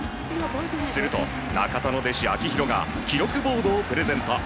すると、中田の弟子・秋広が記録ボードをプレゼント。